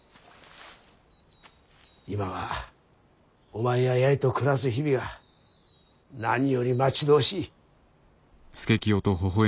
今はお前や八重と暮らす日々が何より待ち遠しい。